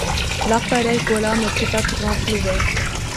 L’appareil coula mais put être renfloué.